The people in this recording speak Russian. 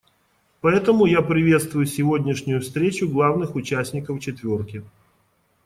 Поэтому я приветствую сегодняшнюю встречу главных участников «четверки».